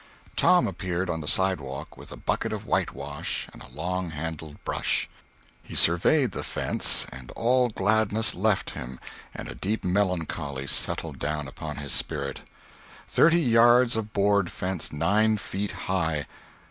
Tom appeared on the sidewalk with a bucket of whitewash and a long handled brush. He surveyed the fence, and all gladness left him and a deep melancholy settled down upon his spirit. Thirty yards of board fence nine feet high.